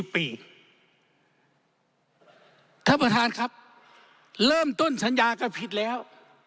เพื่อบทราบปะทางครับเริ่มต้นสัญญากะพิษแล้ว